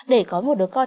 để có một đứa con